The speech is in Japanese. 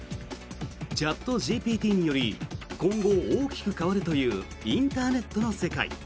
チャットＧＰＴにより今後、大きく変わるというインターネットの世界。